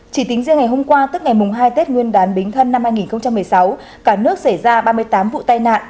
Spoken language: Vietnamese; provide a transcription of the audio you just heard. chỉ tính riêng ngày hôm qua tức ngày hai tết nguyên đán bính thân năm hai nghìn một mươi sáu cả nước xảy ra ba mươi tám vụ tai nạn